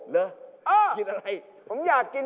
พี่เก๋